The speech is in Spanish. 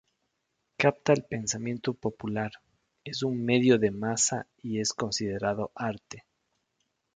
Capta el pensamiento popular, es un medio de masa y es considerado arte.